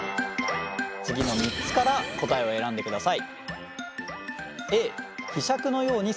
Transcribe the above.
次の３つから答えを選んでください。